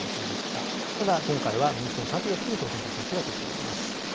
ただ今回は民主党のシャピロ氏に当選確実が出ています。